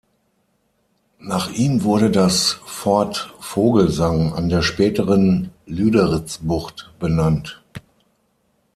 Nach ihm wurde das "Fort Vogelsang" an der späteren Lüderitzbucht benannt.